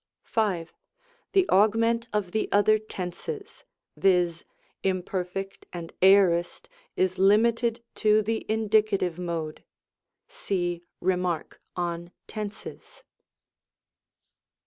5. The Augment of the other tenses, viz. : Imperf. and Aorist, is limited to the Indicative Mode. (See Rem. on Tenses.)